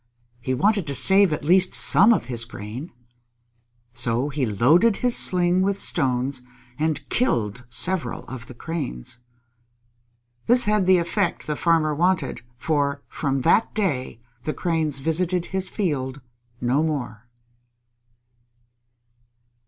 He wanted to save at least some of his grain. So he loaded his sling with stones and killed several of the Cranes. This had the effect the Farmer wanted, for from that day the Cranes visited his field no more.